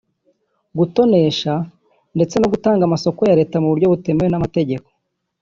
gutonesha ndetse no gutanga amasoko ya Leta mu buryo butemewe n’amategeko